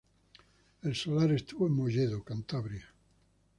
El solar estuvo en Molledo, Cantabria.